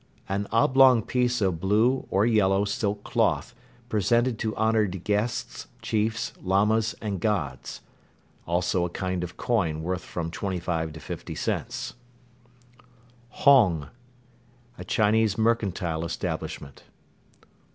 An oblong piece of blue (or yellow) silk cloth, presented to honored guests, chiefs, Lamas and gods. Also a kind of coin, worth from 25 to 50 cents. Hong. A Chinese mercantile establishment.